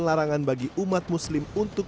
larangan bagi umat muslim untuk